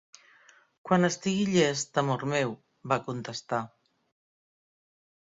"Quan estigui llest, amor meu," va contestar.